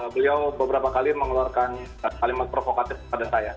beliau beberapa kali mengeluarkan kalimat provokatif pada saya